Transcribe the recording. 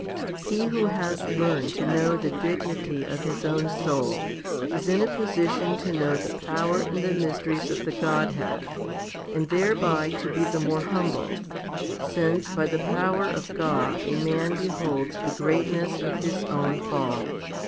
He who has learned to know the dignity of his own soul, is in a position to know the power and the mysteries of the Godhead, and thereby to be the more humbled; since by the power of God a man beholds the greatness of his own fall.